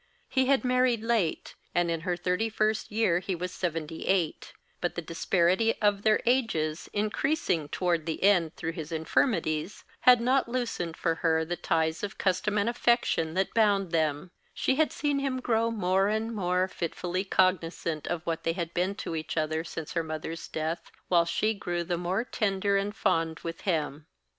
He had married late, and in her thirty first year he was seventy eight; but the disparity of their ages, increasing toward the end through his infirmities, had not loosened for her the ties of custom and affection that bound them; she had seen him grow more and more fitfully cognisant of what they had been to each other since her mother's death, while she grew the more tender and fond with him.